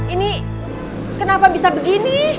ini kenapa bisa begini